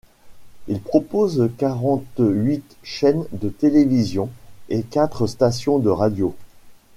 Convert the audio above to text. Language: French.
Il propose quarante-huit chaînes de télévision et quatre stations de radios.